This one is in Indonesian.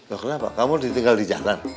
loh kenapa kamu ditinggal di jalan